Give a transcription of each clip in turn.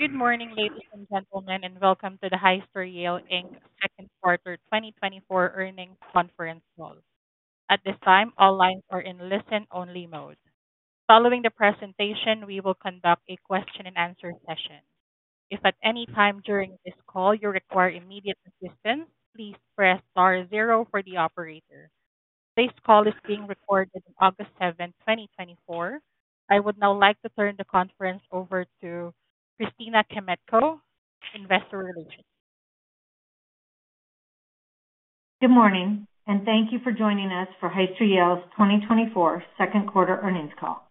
Good morning, ladies and gentlemen, and welcome to the Hyster-Yale Materials Handling, Inc Second Quarter 2024 Earnings Conference Call. At this time, all lines are in listen-only mode. Following the presentation, we will conduct a question-and-answer session. If at any time during this call you require immediate assistance, please press star zero for the operator. Today's call is being recorded, August 7th, 2024. I would now like to turn the conference over to Christina Kmetko, Investor Relations. Good morning, and thank you for joining us for Hyster-Yale's 2024 second quarter earnings call.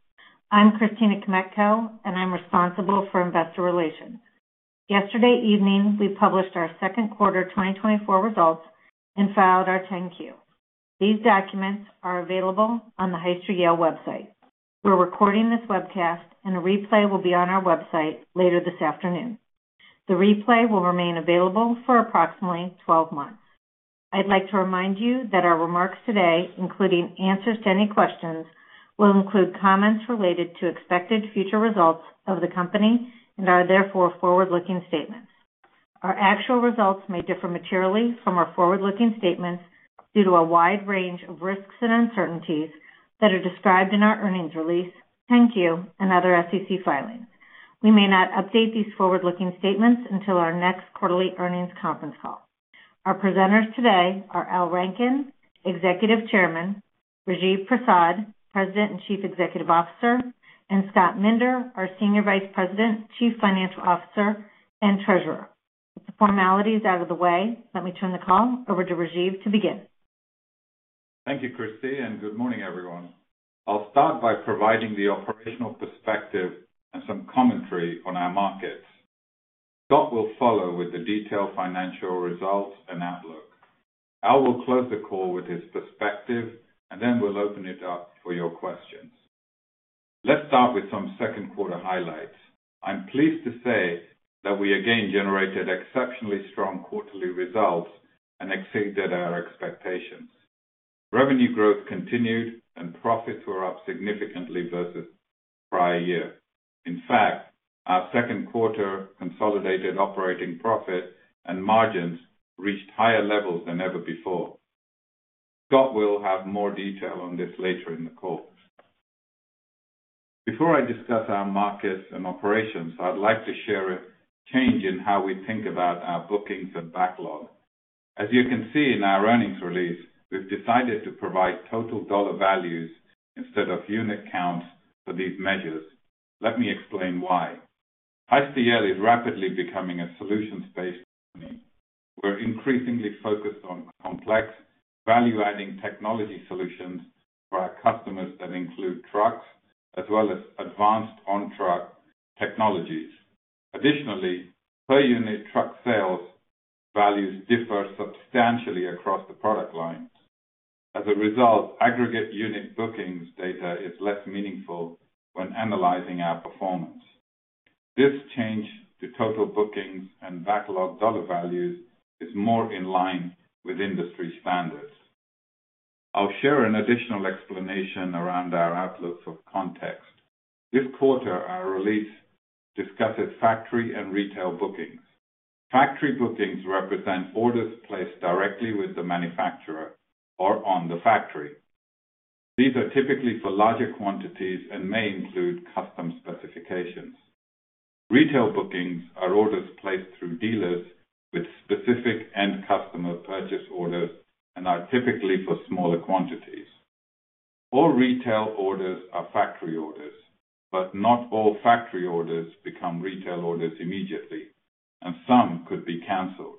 I'm Christina Kmetko, and I'm responsible for investor relations. Yesterday evening, we published our second quarter 2024 results and filed our 10-Q. These documents are available on the Hyster-Yale website. We're recording this webcast, and a replay will be on our website later this afternoon. The replay will remain available for approximately 12 months. I'd like to remind you that our remarks today, including answers to any questions, will include comments related to expected future results of the company and are therefore forward-looking statements. Our actual results may differ materially from our forward-looking statements due to a wide range of risks and uncertainties that are described in our earnings release, 10-Q, and other SEC filings. We may not update these forward-looking statements until our next quarterly earnings conference call. Our presenters today are Al Rankin, Executive Chairman, Rajiv Prasad, President and Chief Executive Officer, and Scott Minder, our Senior Vice President, Chief Financial Officer, and Treasurer. With the formalities out of the way, let me turn the call over to Rajiv to begin. Thank you, Christy, and good morning, everyone. I'll start by providing the operational perspective and some commentary on our markets. Scott will follow with the detailed financial results and outlook. Al will close the call with his perspective, and then we'll open it up for your questions. Let's start with some second quarter highlights. I'm pleased to say that we again generated exceptionally strong quarterly results and exceeded our expectations. Revenue growth continued, and profits were up significantly versus prior year. In fact, our second quarter consolidated operating profit and margins reached higher levels than ever before. Scott will have more detail on this later in the call. Before I discuss our markets and operations, I'd like to share a change in how we think about our bookings and backlog. As you can see in our earnings release, we've decided to provide total dollar values instead of unit counts for these measures. Let me explain why. Hyster-Yale is rapidly becoming a solutions-based company. We're increasingly focused on complex, value-adding technology solutions for our customers that include trucks as well as advanced on-truck technologies. Additionally, per unit truck sales values differ substantially across the product lines. As a result, aggregate unit bookings data is less meaningful when analyzing our performance. This change to total bookings and backlog dollar values is more in line with industry standards. I'll share an additional explanation around our outlook for context. This quarter, our release discusses factory and retail bookings. Factory bookings represent orders placed directly with the manufacturer or on the factory. These are typically for larger quantities and may include custom specifications. Retail bookings are orders placed through dealers with specific end customer purchase orders and are typically for smaller quantities. All retail orders are factory orders, but not all factory orders become retail orders immediately, and some could be canceled.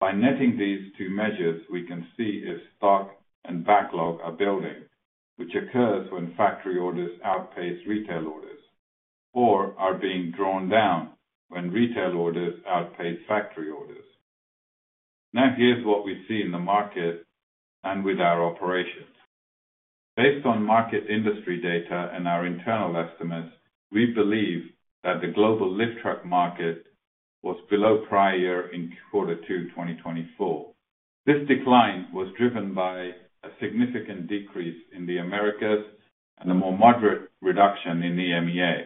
By netting these two measures, we can see if stock and backlog are building, which occurs when factory orders outpace retail orders, or are being drawn down when retail orders outpace factory orders. Now, here's what we see in the market and with our operations. Based on market industry data and our internal estimates, we believe that the global lift truck market was below prior year in quarter two, 2024. This decline was driven by a significant decrease in the Americas and a more moderate reduction in EMEA.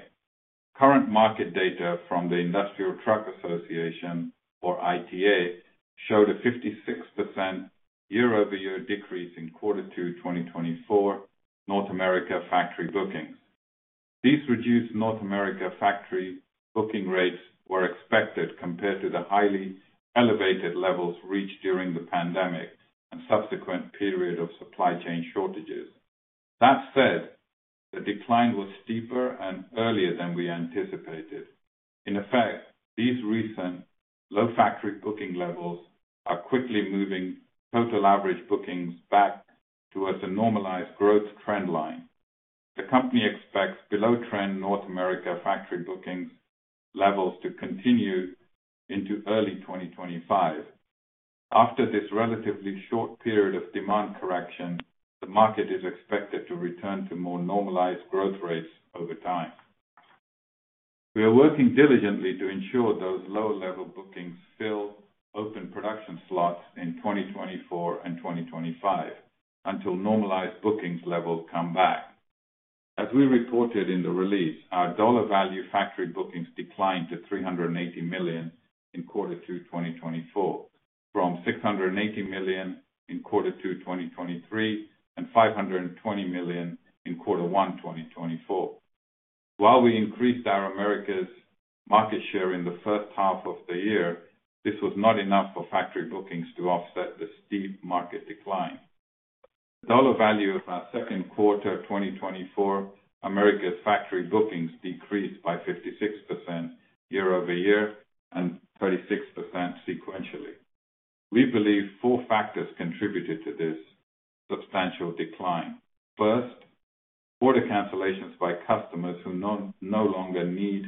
Current market data from the Industrial Truck Association, or ITA, showed a 56% year-over-year decrease in quarter two, 2024, North America factory bookings. These reduced North America factory booking rates were expected compared to the highly elevated levels reached during the pandemic and subsequent period of supply chain shortages. That said, the decline was steeper and earlier than we anticipated. In effect, these recent low factory booking levels are quickly moving total average bookings back towards a normalized growth trend line. The company expects below-trend North America factory bookings levels to continue into early 2025. After this relatively short period of demand correction, the market is expected to return to more normalized growth rates over time. We are working diligently to ensure those lower-level bookings fill open production slots in 2024 and 2025. until normalized bookings levels come back. As we reported in the release, our dollar value factory bookings declined to $380 million in quarter two, 2024, from $680 million in quarter two, 2023, and $520 million in quarter one, 2024. While we increased our Americas market share in the first half of the year, this was not enough for factory bookings to offset the steep market decline. Dollar value of our second quarter, 2024, Americas factory bookings decreased by 56% year-over-year and 36% sequentially. We believe four factors contributed to this substantial decline. First, order cancellations by customers who no longer need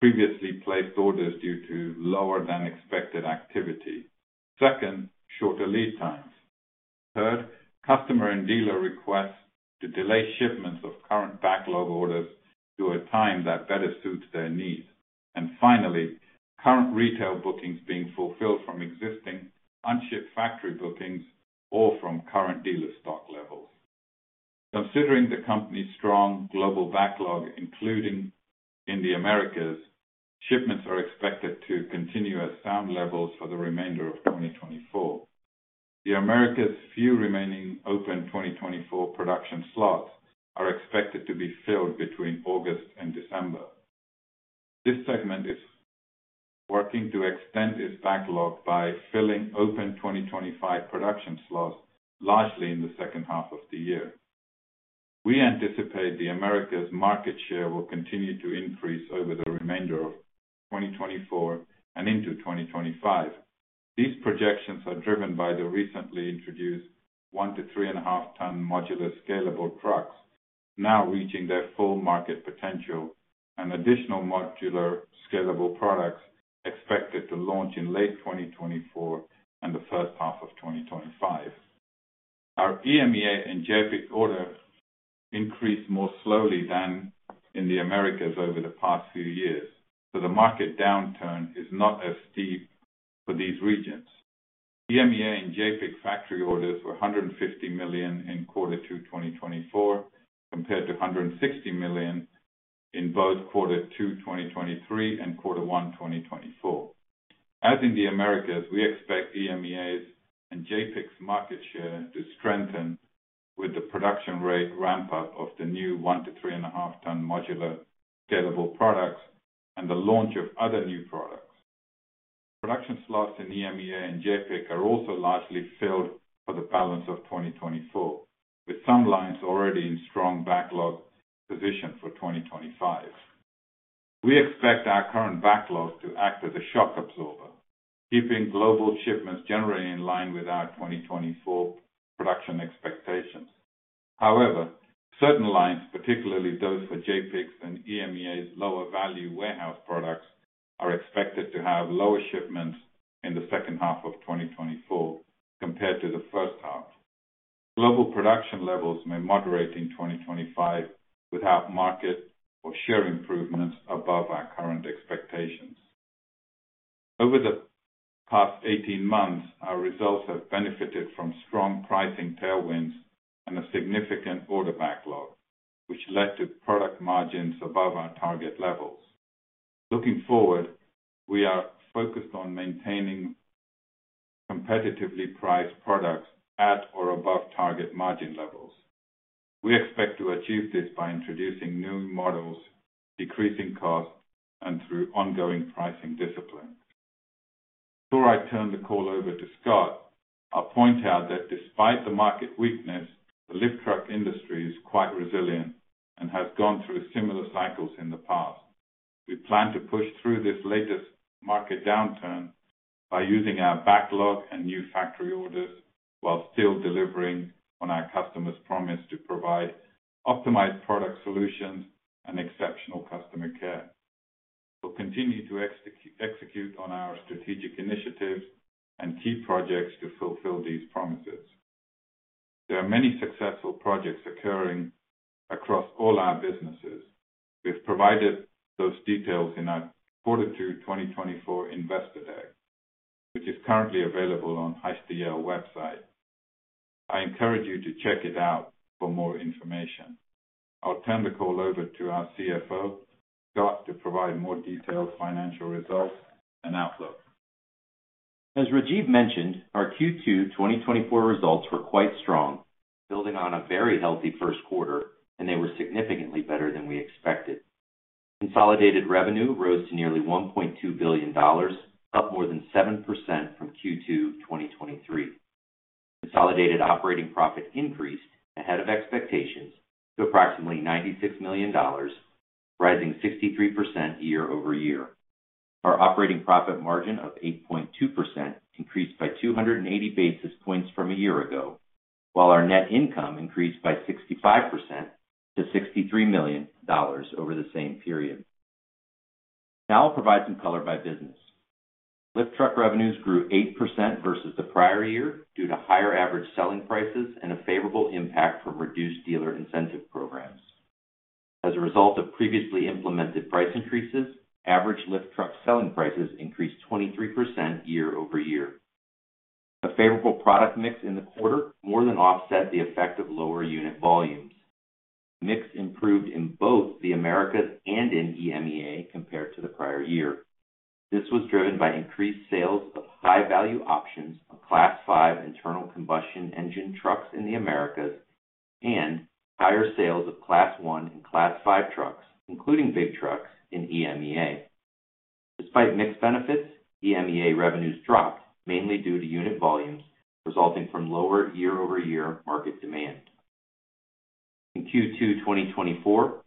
previously placed orders due to lower than expected activity. Second, shorter lead times. Third, customer and dealer requests to delay shipments of current backlog orders to a time that better suits their needs. Finally, current retail bookings being fulfilled from existing unshipped factory bookings or from current dealer stock levels. Considering the company's strong global backlog, including in the Americas, shipments are expected to continue at sound levels for the remainder of 2024. The Americas' few remaining open 2024 production slots are expected to be filled between August and December. This segment is working to extend its backlog by filling open 2025 production slots, largely in the second half of the year. We anticipate the Americas' market share will continue to increase over the remainder of 2024 and into 2025. These projections are driven by the recently introduced 1-3.5-ton modular scalable trucks, now reaching their full market potential, and additional modular scalable products expected to launch in late 2024 and the first half of 2025. Our EMEA and JAPIC orders increased more slowly than in the Americas over the past few years, so the market downturn is not as steep for these regions. EMEA and JAPIC factory orders were $150 million in quarter two, 2024, compared to $160 million in both quarter two, 2023 and quarter one, 2024. As in the Americas, we expect EMEA's and JAPIC's market share to strengthen with the production rate ramp up of the new 1-3.5-ton modular scalable products and the launch of other new products. Production slots in EMEA and JAPIC are also largely filled for the balance of 2024, with some lines already in strong backlog position for 2025. We expect our current backlogs to act as a shock absorber, keeping global shipments generally in line with our 2024 production expectations. However, certain lines, particularly those for JAPIC's and EMEA's lower value warehouse products, are expected to have lower shipments in the second half of 2024 compared to the first half. Global production levels may moderate in 2025 without market or share improvements above our current expectations. Over the past 18 months, our results have benefited from strong pricing tailwinds and a significant order backlog, which led to product margins above our target levels. Looking forward, we are focused on maintaining competitively priced products at or above target margin levels. We expect to achieve this by introducing new models, decreasing costs, and through ongoing pricing discipline. Before I turn the call over to Scott, I'll point out that despite the market weakness, the lift truck industry is quite resilient and has gone through similar cycles in the past. We plan to push through this latest market downturn by using our backlog and new factory orders while still delivering on our customers' promise to provide optimized product solutions and exceptional customer care. We'll continue to execute on our strategic initiatives and key projects to fulfill these promises. There are many successful projects occurring across all our businesses. We've provided those details in our quarter two, 2024 Investor Day, which is currently available on Hyster-Yale website. I encourage you to check it out for more information. I'll turn the call over to our CFO, Scott, to provide more detailed financial results and outlook. As Rajiv mentioned, our Q2 2024 results were quite strong, building on a very healthy first quarter, and they were significantly better than we expected. Consolidated revenue rose to nearly $1.2 billion, up more than 7% from Q2 2023. Consolidated operating profit increased ahead of expectations to approximately $96 million, rising 63% year-over-year. Our operating profit margin of 8.2% increased by 280 basis points from a year ago, while our net income increased by 65% to $63 million over the same period. Now I'll provide some color by business. Lift truck revenues grew 8% versus the prior year due to higher average selling prices and a favorable impact from reduced dealer incentive programs. As a result of previously implemented price increases, average lift truck selling prices increased 23% year-over-year. A favorable product mix in the quarter more than offset the effect of lower unit volumes. Mix improved in both the Americas and in EMEA compared to the prior year. This was driven by increased sales of high-value options of Class 5 internal combustion engine trucks in the Americas, and higher sales of Class 1 and Class 5 trucks, including big trucks in EMEA. Despite mixed benefits, EMEA revenues dropped mainly due to unit volumes, resulting from lower year-over-year market demand. In Q2 2024,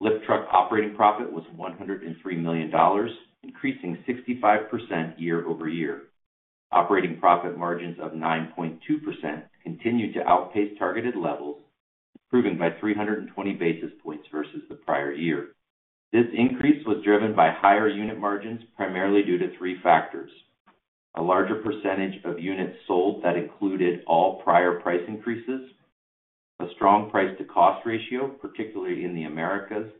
lift truck operating profit was $103 million, increasing 65% year-over-year. Operating profit margins of 9.2% continued to outpace targeted levels, improving by 320 basis points versus the prior year. This increase was driven by higher unit margins, primarily due to three factors: a larger percentage of units sold that included all prior price increases, a strong price-to-cost ratio, particularly in the Americas,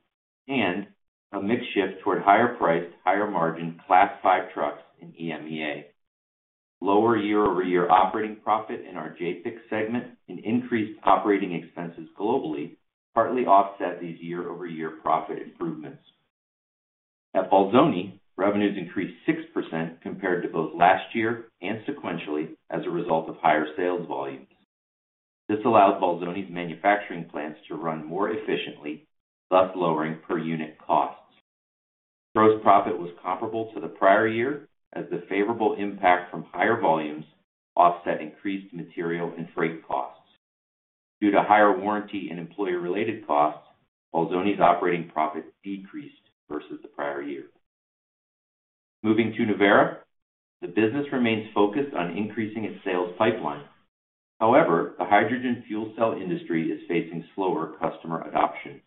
and a mix shift toward higher priced, higher margin Class 5 trucks in EMEA. Lower year-over-year operating profit in our JAPIC segment and increased operating expenses globally, partly offset these year-over-year profit improvements. At Bolzoni, revenues increased 6% compared to both last year and sequentially, as a result of higher sales volumes. This allowed Bolzoni's manufacturing plants to run more efficiently, thus lowering per unit costs. Gross profit was comparable to the prior year, as the favorable impact from higher volumes offset increased material and freight costs. Due to higher warranty and employee-related costs, Bolzoni's operating profit decreased versus the prior year. Moving to Nuvera, the business remains focused on increasing its sales pipeline. However, the hydrogen fuel cell industry is facing slower customer adoption.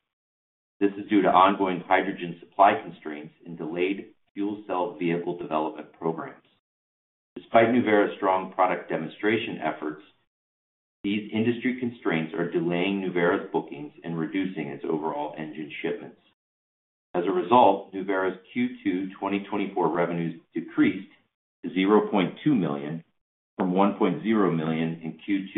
This is due to ongoing hydrogen supply constraints and delayed fuel cell vehicle development programs. Despite Nuvera's strong product demonstration efforts, these industry constraints are delaying Nuvera's bookings and reducing its overall engine shipments. As a result, Nuvera's Q2 2024 revenues decreased to $0.2 million, from $1.0 million in Q2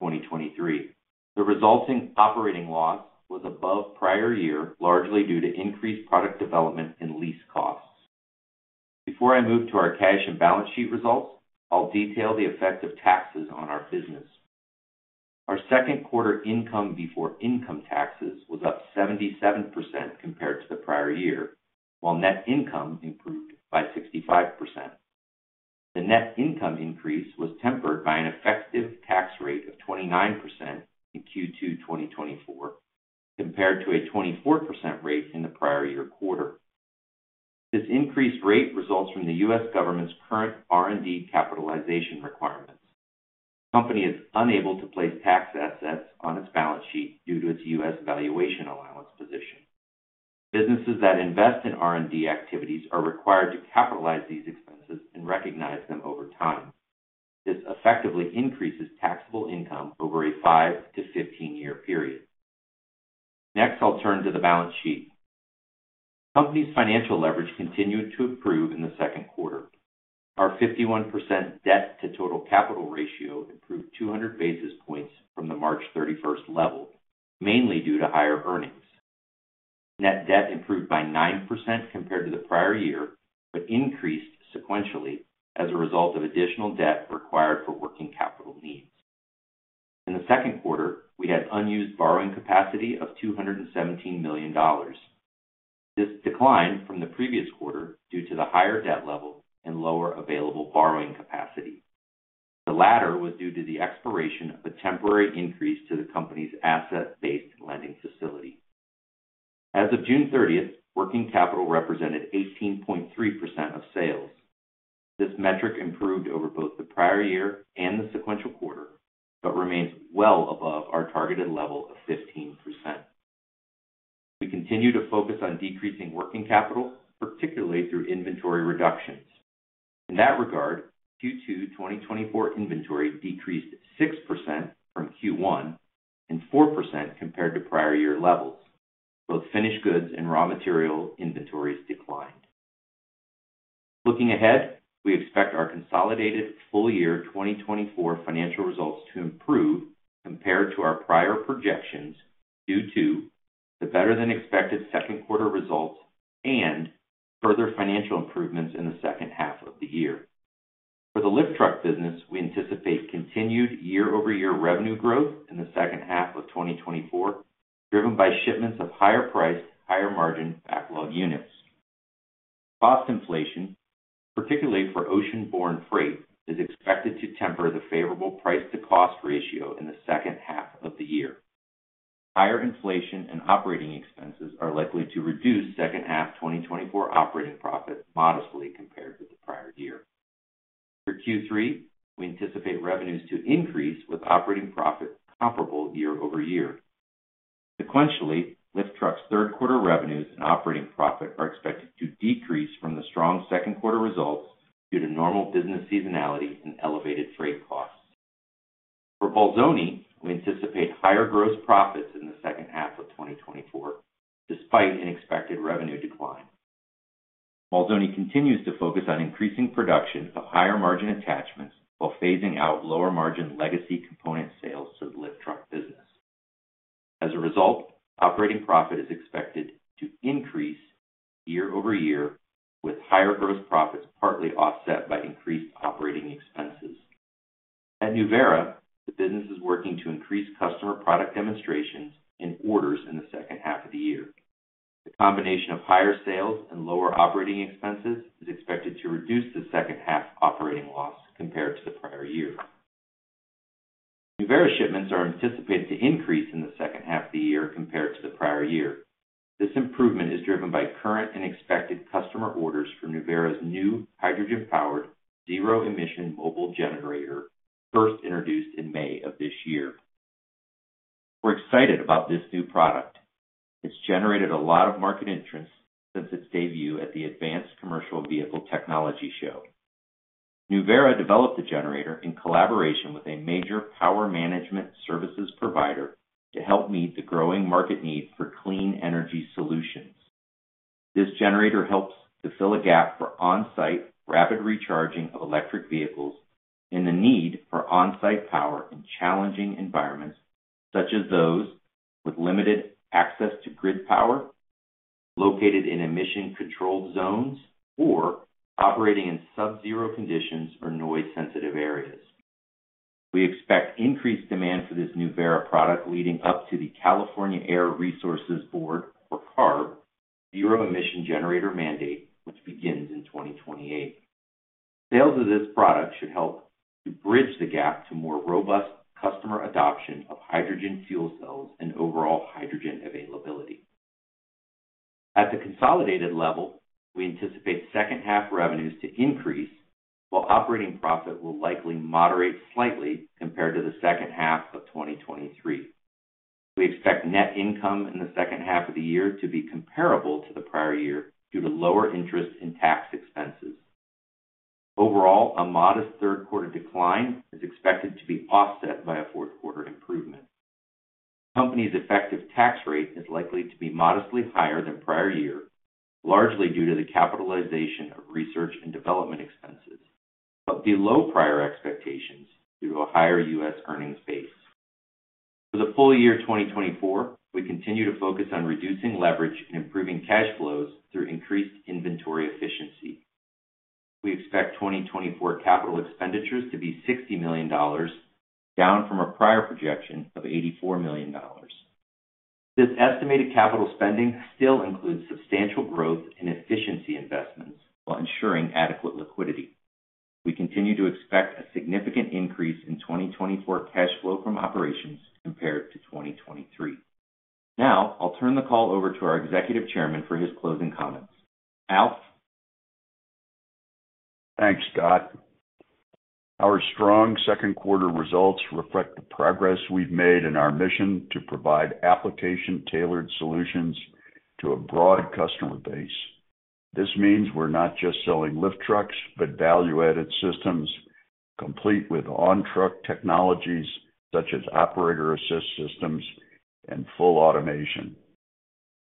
2023. The resulting operating loss was above prior year, largely due to increased product development and lease costs. Before I move to our cash and balance sheet results, I'll detail the effect of taxes on our business. Our second quarter income before income taxes was up 77% compared to the prior year, while net income improved by 65%. The net income increase was tempered by an effective tax rate of 29% in Q2 2024, compared to a 24% rate in the prior year quarter. This increased rate results from the U.S. government's current R&D capitalization requirements. The company is unable to place tax assets on its balance sheet due to its U.S. valuation allowance position. Businesses that invest in R&D activities are required to capitalize these expenses and recognize them over time. This effectively increases taxable income over a 5- to 15-year period. Next, I'll turn to the balance sheet. The company's financial leverage continued to improve in the second quarter. Our 51% debt to total capital ratio improved 200 basis points from the March 31st level, mainly due to higher earnings. Net debt improved by 9% compared to the prior year, but increased sequentially as a result of additional debt required for working capital needs. In the second quarter, we had unused borrowing capacity of $217 million. This declined from the previous quarter due to the higher debt level and lower available borrowing capacity. The latter was due to the expiration of a temporary increase to the company's asset-based lending facility. As of June 30th, working capital represented 18.3% of sales. This metric improved over both the prior year and the sequential quarter, but remains well above our targeted level of 15%. We continue to focus on decreasing working capital, particularly through inventory reductions. In that regard, Q2 2024 inventory decreased 6% from Q1, and 4% compared to prior year levels. Both finished goods and raw material inventories declined. Looking ahead, we expect our consolidated full year 2024 financial results to improve compared to our prior projections, due to the better-than-expected second quarter results and further financial improvements in the second half of the year. For the lift truck business, we anticipate continued year-over-year revenue growth in the second half of 2024, driven by shipments of higher priced, higher margin backlog units. Cost inflation, particularly for ocean-borne freight, is expected to temper the favorable price-to-cost ratio in the second half of the year. Higher inflation and operating expenses are likely to reduce second half 2024 operating profit modestly compared with the prior year. For Q3, we anticipate revenues to increase with operating profit comparable year-over-year. Sequentially, lift trucks third quarter revenues and operating profit are expected to decrease from the strong second quarter results due to normal business seasonality and elevated freight costs. For Bolzoni, we anticipate higher gross profits in the second half of 2024, despite an expected revenue decline. Bolzoni continues to focus on increasing production of higher margin attachments while phasing out lower margin legacy component sales to the lift truck business. As a result, operating profit is expected to increase year-over-year, with higher gross profits partly offset by increased operating expenses. At Nuvera, the business is working to increase customer product demonstrations and orders in the second half of the year. The combination of higher sales and lower operating expenses is expected to reduce the second half operating loss compared to the prior year. Nuvera shipments are anticipated to increase in the second half of the year compared to the prior year. This improvement is driven by current and expected customer orders from Nuvera's new hydrogen-powered, zero-emission mobile generator, first introduced in May of this year. We're excited about this new product. It's generated a lot of market interest since its debut at the Advanced Commercial Vehicle Technology Show. Nuvera developed a generator in collaboration with a major power management services provider to help meet the growing market need for clean energy solutions. This generator helps to fill a gap for on-site rapid recharging of electric vehicles and the need for on-site power in challenging environments, such as those with limited access to grid power, located in emission controlled zones, or operating in subzero conditions or noise sensitive areas. We expect increased demand for this Nuvera product leading up to the California Air Resources Board, or CARB, zero-emission generator mandate, which begins in 2028. Sales of this product should help to bridge the gap to more robust customer adoption of hydrogen fuel cells and overall hydrogen availability. At the consolidated level, we anticipate second-half revenues to increase, while operating profit will likely moderate slightly compared to the second half of 2023. We expect net income in the second half of the year to be comparable to the prior year due to lower interest and tax expenses. Overall, a modest third quarter decline is expected to be offset by a fourth quarter improvement. The company's effective tax rate is likely to be modestly higher than prior year, largely due to the capitalization of research and development expenses, but below prior expectations due to a higher U.S. earnings base. For the full year 2024, we continue to focus on reducing leverage and improving cash flows through increased inventory efficiency. We expect 2024 capital expenditures to be $60 million, down from a prior projection of $84 million. This estimated capital spending still includes substantial growth and efficiency investments while ensuring adequate liquidity. We continue to expect a significant increase in 2024 cash flow from operations compared to 2023. Now, I'll turn the call over to our Executive Chairman for his closing comments. Al? Thanks, Scott. Our strong second quarter results reflect the progress we've made in our mission to provide application-tailored solutions to a broad customer base. This means we're not just selling lift trucks, but value-added systems, complete with on-truck technologies such as operator assist systems and full automation.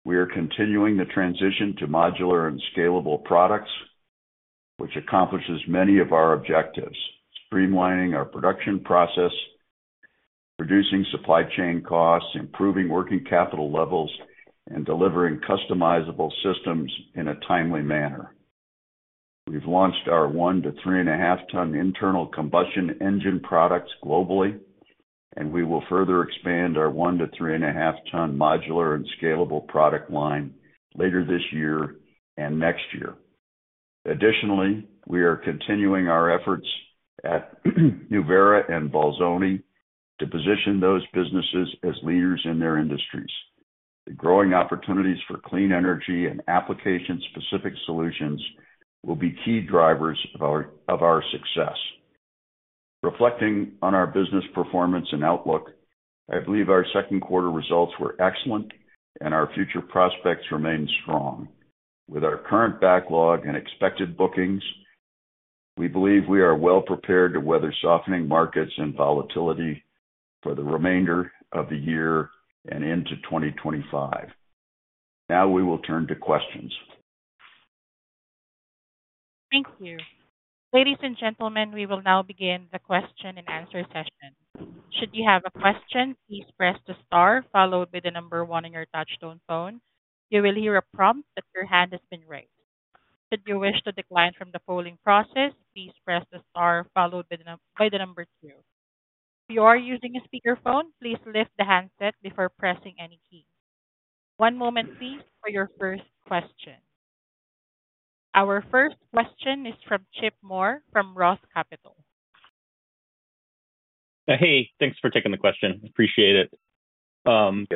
We are continuing the transition to modular and scalable products, which accomplishes many of our objectives: streamlining our production process, reducing supply chain costs, improving working capital levels, and delivering customizable systems in a timely manner. We've launched our 1-3.5-ton internal combustion engine products globally, and we will further expand our 1-3.5-ton modular and scalable product line later this year and next year. Additionally, we are continuing our efforts at Nuvera and Bolzoni to position those businesses as leaders in their industries. The growing opportunities for clean energy and application-specific solutions will be key drivers of our success. Reflecting on our business performance and outlook, I believe our second quarter results were excellent, and our future prospects remain strong. With our current backlog and expected bookings, we believe we are well prepared to weather softening markets and volatility for the remainder of the year and into 2025. Now we will turn to questions. Thank you. Ladies and gentlemen, we will now begin the question and answer session. Should you have a question, please press the star followed by the number one on your touch-tone phone. You will hear a prompt that your hand has been raised. Should you wish to decline from the polling process, please press the star followed by the number two. If you are using a speakerphone, please lift the handset before pressing any key. One moment please, for your first question. Our first question is from Chip Moore, from Roth Capital. Hey, thanks for taking the question. Appreciate it. I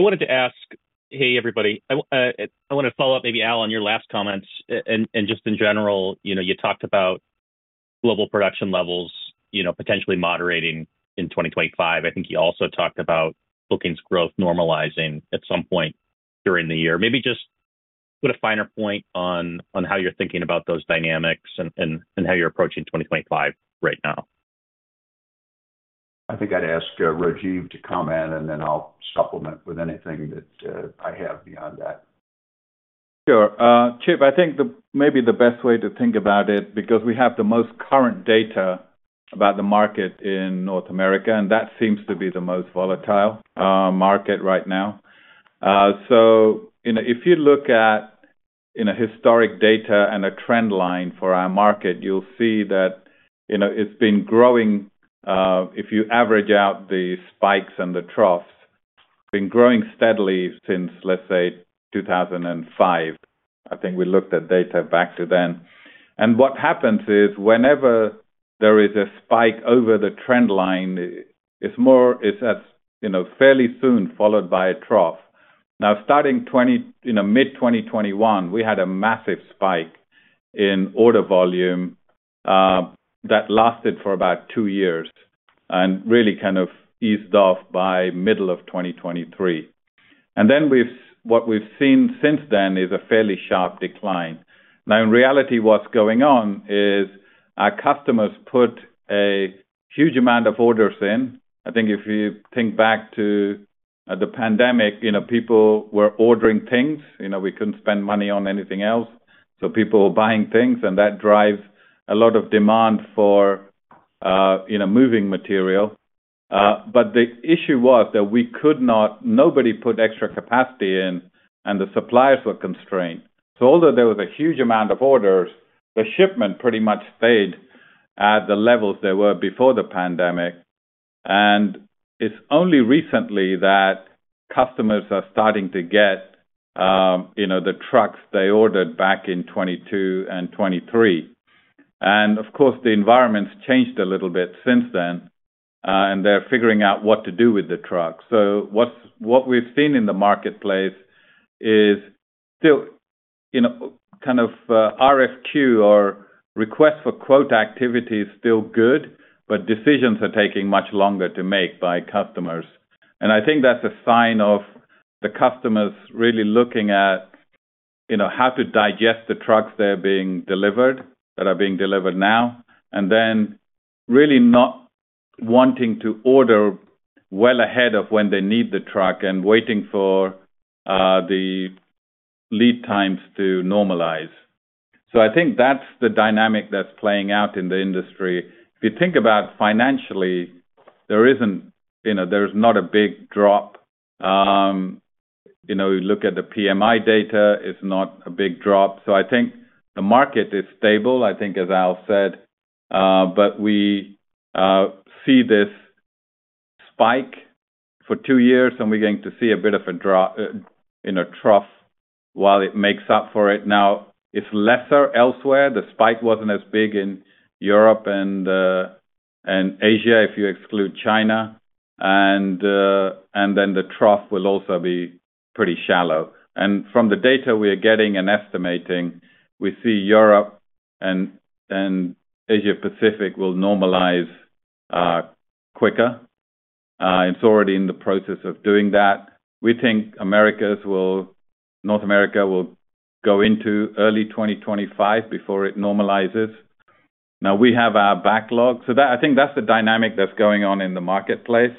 wanted to ask--Hey, everybody. I want to follow up, maybe, Al, on your last comments, and just in general, you know, you talked about global production levels, you know, potentially moderating in 2025. I think you also talked about bookings growth normalizing at some point during the year. Maybe just, put a finer point on how you're thinking about those dynamics and how you're approaching 2025 right now. I think I'd ask Rajiv to comment, and then I'll supplement with anything that I have beyond that. Sure. Chip, I think the maybe the best way to think about it, because we have the most current data about the market in North America, and that seems to be the most volatile market right now. So, you know, if you look at historic data and a trend line for our market, you'll see that, you know, it's been growing, if you average out the spikes and the troughs, been growing steadily since, let's say, 2005. I think we looked at data back to then. And what happens is, whenever there is a spike over the trend line, it's more-- it's, as, you know, fairly soon followed by a trough. Now, starting 2020, you know, mid-2021, we had a massive spike in order volume that lasted for about two years and really kind of eased off by middle of 2023. Then what we've seen since then is a fairly sharp decline. Now, in reality, what's going on is our customers put a huge amount of orders in. I think if you think back to the pandemic, you know, people were ordering things. You know, we couldn't spend money on anything else, so people were buying things, and that drives a lot of demand for, you know, moving material. But the issue was that we could not--nobody put extra capacity in, and the suppliers were constrained. So although there was a huge amount of orders, the shipment pretty much stayed at the levels they were before the pandemic, and it's only recently that customers are starting to get, you know, the trucks they ordered back in 2022 and 2023. And of course, the environment's changed a little bit since then, and they're figuring out what to do with the trucks. So what we've seen in the marketplace is still, you know, kind of, RFQ or request for quote activity is still good, but decisions are taking much longer to make by customers. And I think that's a sign of the customers really looking at, you know, how to digest the trucks that are being delivered, that are being delivered now, and then really not wanting to order well ahead of when they need the truck and waiting for the lead times to normalize. So I think that's the dynamic that's playing out in the industry. If you think about financially, there isn't, you know, there's not a big drop. You know, you look at the PMI data, it's not a big drop. So I think the market is stable, I think, as Al said, but we see this spike for two years, and we're going to see a bit of a drop in a trough while it makes up for it. Now, it's lesser elsewhere. The spike wasn't as big in Europe and, and Asia, if you exclude China, and, and then the trough will also be pretty shallow. From the data we are getting and estimating, we see Europe and, and Asia Pacific will normalize quicker. It's already in the process of doing that. We think Americas will, North America will go into early 2025 before it normalizes. Now, we have our backlog. So that, I think that's the dynamic that's going on in the marketplace.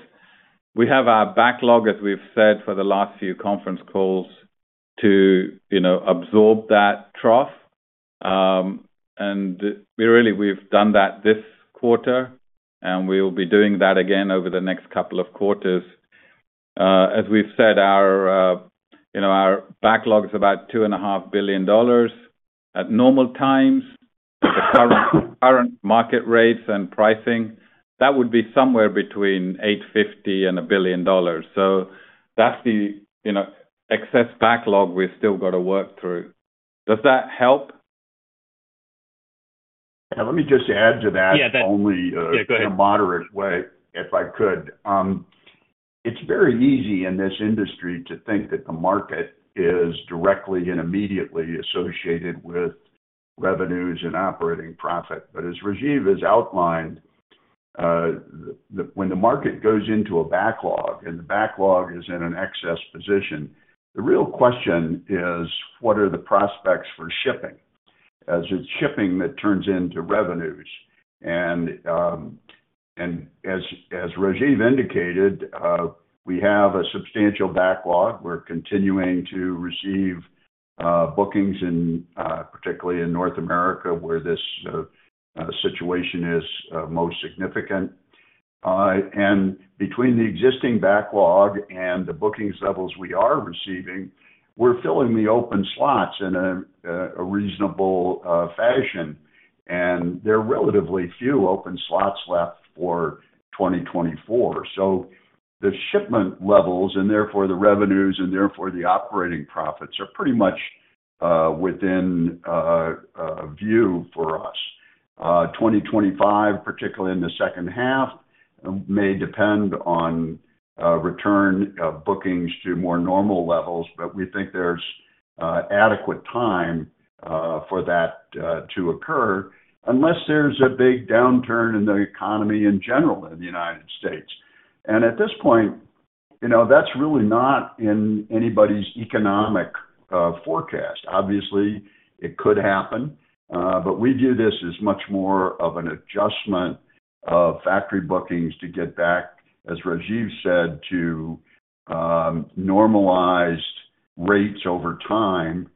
We have our backlog, as we've said, for the last few conference calls, to, you know, absorb that trough. And we really, we've done that this quarter, and we will be doing that again over the next couple of quarters. As we've said, our, you know, our backlog is about $2.5 billion. At normal times, the current market rates and pricing, that would be somewhere between $850 million and $1 billion. So that's the, you know, excess backlog we've still got to work through. Does that help? Let me just add to that-- Yeah, that--yeah, go ahead. In a moderate way, if I could. It's very easy in this industry to think that the market is directly and immediately associated with revenues and operating profit. But as Rajiv has outlined, when the market goes into a backlog, and the backlog is in an excess position, the real question is: What are the prospects for shipping? As it's shipping that turns into revenues. And as Rajiv indicated, we have a substantial backlog. We're continuing to receive bookings, particularly in North America, where this situation is most significant. And between the existing backlog and the bookings levels we are receiving, we're filling the open slots in a reasonable fashion, and there are relatively few open slots left for 2024. So the shipment levels and therefore the revenues and therefore the operating profits are pretty much within view for us. 2025, particularly in the second half, may depend on return of bookings to more normal levels, but we think there's adequate time for that to occur, unless there's a big downturn in the economy in general in the United States. And at this point, you know, that's really not in anybody's economic forecast. Obviously, it could happen, but we view this as much more of an adjustment of factory bookings to get back, as Rajiv said, to normalized rates over time,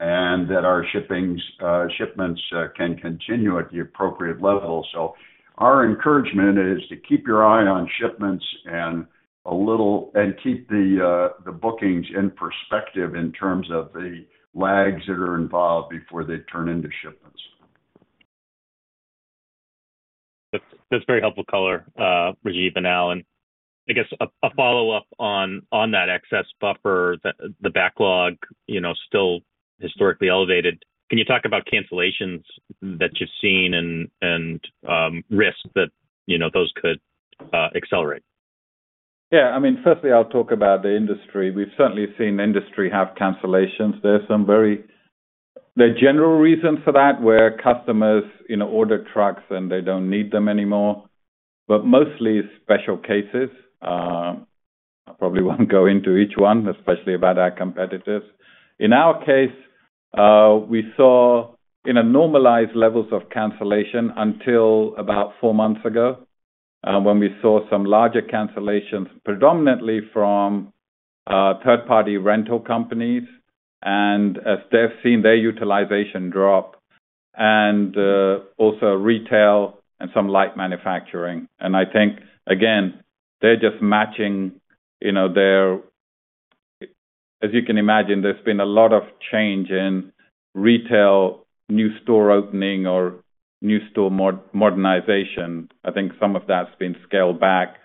and that our shipments can continue at the appropriate level. So our encouragement is to keep your eye on shipments and keep the bookings in perspective in terms of the lags that are involved before they turn into shipments. That's very helpful color, Rajiv and Al. I guess a follow-up on that excess buffer, the backlog, you know, still historically elevated. Can you talk about cancellations that you've seen and risks that, you know, those could accelerate? Yeah. I mean, firstly, I'll talk about the industry. We've certainly seen industry have cancellations. There are some. The general reason for that, where customers, you know, order trucks, and they don't need them anymore, but mostly special cases. I probably won't go into each one, especially about our competitors. In our case, we saw normalized levels of cancellation until about four months ago, when we saw some larger cancellations, predominantly from third-party rental companies, and as they've seen their utilization drop, and also retail and some light manufacturing. And I think, again, they're just matching, you know, their--as you can imagine, there's been a lot of change in retail, new store opening or new store modernization. I think some of that's been scaled back.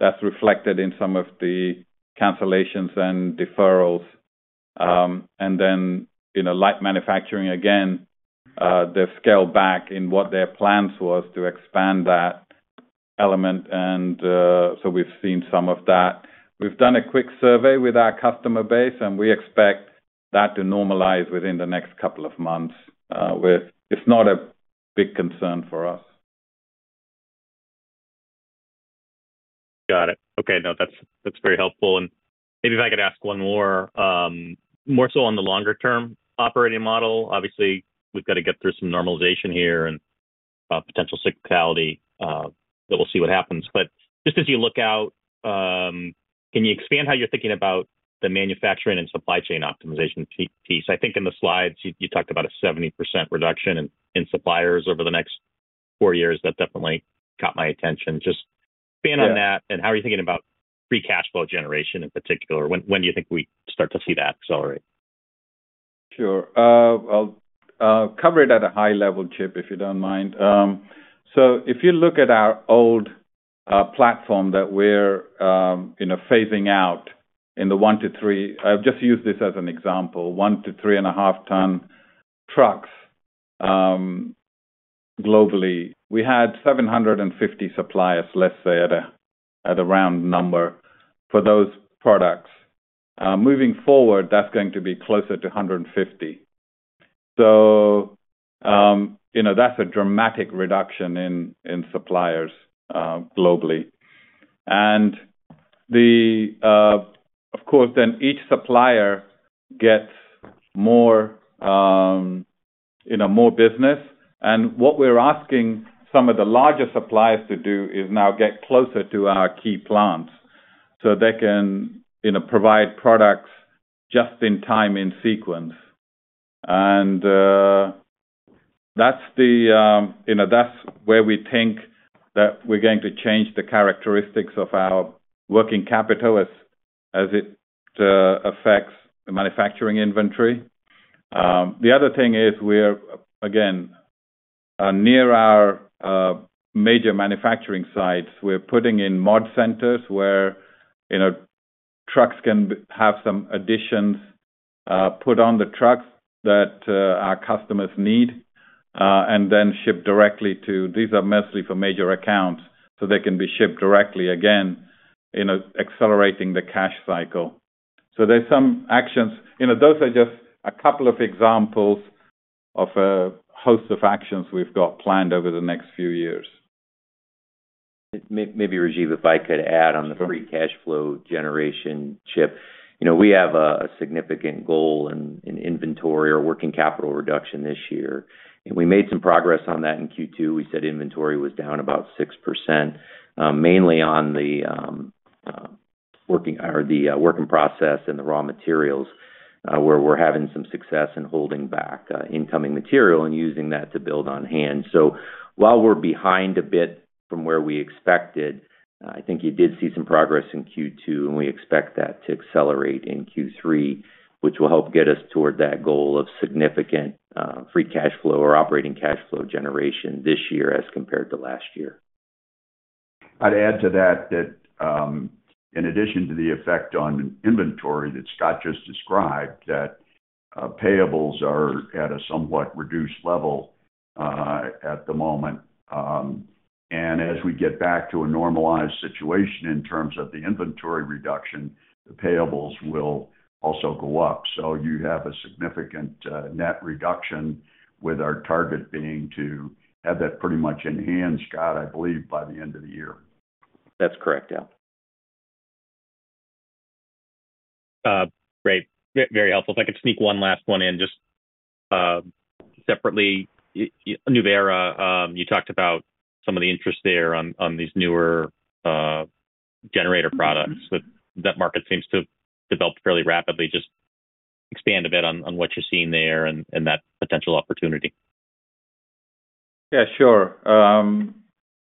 That's reflected in some of the cancellations and deferrals. And then, you know, light manufacturing, again, they've scaled back in what their plans was to expand that element, and so we've seen some of that. We've done a quick survey with our customer base, and we expect that to normalize within the next couple of months. It's not a big concern for us. Got it. Okay, no, that's, that's very helpful. And maybe if I could ask one more, more so on the longer-term operating model. Obviously, we've got to get through some normalization here and, potential cyclicality, but we'll see what happens. But just as you look out, can you expand how you're thinking about the manufacturing and supply chain optimization piece? I think in the slides, you, you talked about a 70% reduction in, in suppliers over the next four years. That definitely caught my attention. Just expand on that how are you thinking about free cash flow generation in particular? When, when do you think we start to see that accelerate? Sure. I'll cover it at a high level, Chip, if you don't mind. So if you look at our old platform that we're you know, phasing out in the 1 to 3--I'll just use this as an example, 1-3.5-ton trucks, globally, we had 750 suppliers, let's say at a round number, for those products. Moving forward, that's going to be closer to 150. So you know, that's a dramatic reduction in suppliers globally. And of course, then each supplier gets more you know, more business. And what we're asking some of the larger suppliers to do is now get closer to our key plants so they can you know, provide products just in time, in sequence. That's the, you know, that's where we think that we're going to change the characteristics of our working capital as it affects the manufacturing inventory. The other thing is we're, again, near our major manufacturing sites, we're putting in mod centers where, you know, trucks can have some additions put on the trucks that our customers need, and then shipped directly to.--these are mostly for major accounts, so they can be shipped directly, again, you know, accelerating the cash cycle. So there's some actions. You know, those are just a couple of examples of a host of actions we've got planned over the next few years. Maybe, Rajiv, if I could add on the free cash flow generation, Chip. You know, we have a significant goal in inventory or working capital reduction this year, and we made some progress on that in Q2. We said inventory was down about 6%, mainly on the working or the working process and the raw materials, where we're having some success in holding back incoming material and using that to build on hand. So while we're behind a bit from where we expected, I think you did see some progress in Q2, and we expect that to accelerate in Q3, which will help get us toward that goal of significant free cash flow or operating cash flow generation this year as compared to last year. I'd add to that, in addition to the effect on inventory that Scott just described, payables are at a somewhat reduced level at the moment. And as we get back to a normalized situation in terms of the inventory reduction, the payables will also go up. So you have a significant net reduction with our target being to have that pretty much in hand, Scott, I believe, by the end of the year. That's correct. Yeah. Great. Very helpful. If I could sneak one last one in, just separately, Nuvera, you talked about some of the interest there on these newer generator products, but that market seems to have developed fairly rapidly. Just expand a bit on what you're seeing there and that potential opportunity. Yeah, sure.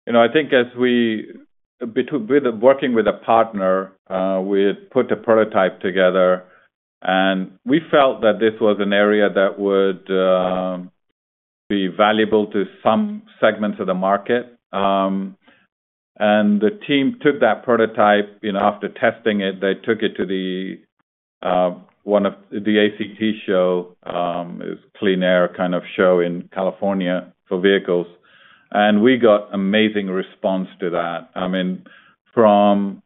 You know, I think as we began to work with a partner, we had put a prototype together, and we felt that this was an area that would be valuable to some segments of the market. And the team took that prototype, you know, after testing it, they took it to one of the ACT shows. It was clean air kind of show in California for vehicles. And we got amazing response to that. I mean, from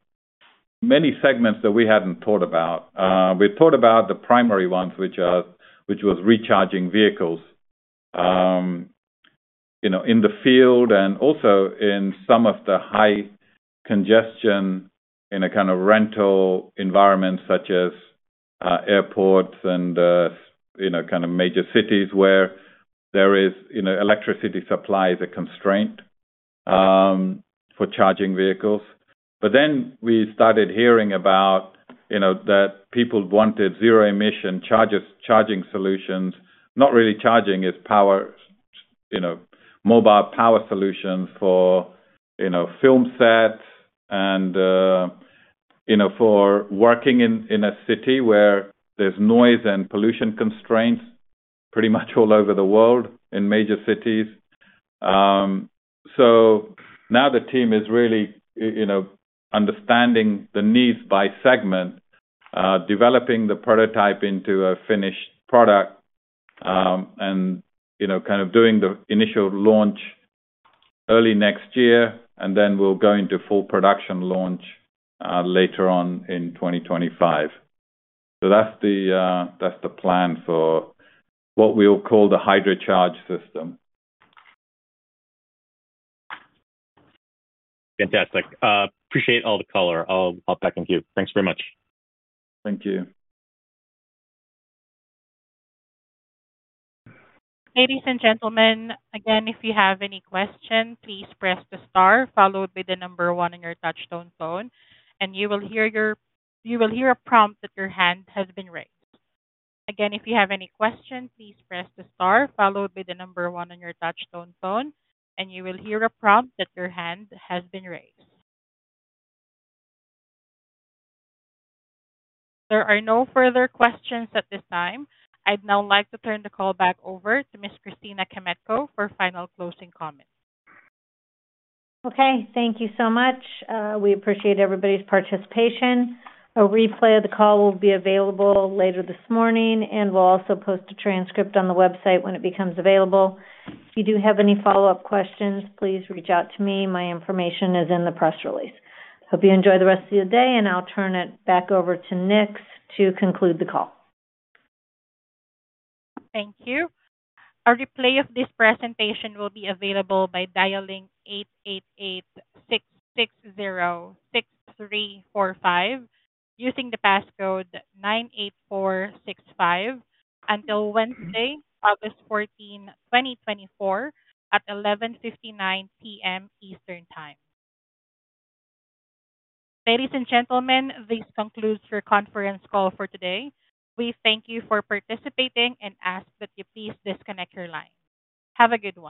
many segments that we hadn't thought about. We thought about the primary ones, which are, which was recharging vehicles, you know, in the field and also in some of the high congestion in a kind of rental environment, such as airports and, you know, kind of major cities where there is, you know, electricity supply is a constraint, for charging vehicles. But then we started hearing about, you know, that people wanted zero-emission charges, charging solutions. Not really charging, it's power, you know, mobile power solutions for, you know, film sets and, you know, for working in, in a city where there's noise and pollution constraints pretty much all over the world, in major cities. So now the team is really, you know, understanding the needs by segment, developing the prototype into a finished product, and, you know, kind of doing the initial launch early next year, and then we'll go into full production launch, later on in 2025. So that's the plan for what we'll call the HydroCharge system. Fantastic. Appreciate all the color. I'll back on to you. Thanks very much. Thank you. Ladies and gentlemen, again, if you have any question, please press the star followed by the number one on your touch-tone phone, and you will hear a prompt that your hand has been raised. Again, if you have any questions, please press the star followed by the number one on your touch-tone phone, and you will hear a prompt that your hand has been raised. There are no further questions at this time. I'd now like to turn the call back over to Ms. Christina Kmetko for final closing comments. Okay, thank you so much. We appreciate everybody's participation. A replay of the call will be available later this morning, and we'll also post a transcript on the website when it becomes available. If you do have any follow-up questions, please reach out to me. My information is in the press release. Hope you enjoy the rest of your day, and I'll turn it back over to Nix to conclude the call. Thank you. A replay of this presentation will be available by dialing 888-660-6345, using the passcode 98465, until Wednesday, August 14, 2024, at 11:59 P.M. Eastern Time. Ladies and gentlemen, this concludes your conference call for today. We thank you for participating and ask that you please disconnect your line. Have a good one.